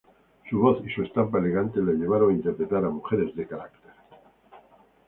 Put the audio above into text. Su voz y su estampa elegante la llevaron a interpretar a mujeres de carácter.